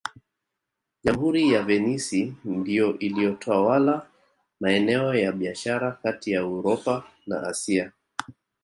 Jamhuri ya Venisi ndiyo iliyotawala maeneo ya biashara kati ya Uropa na Asia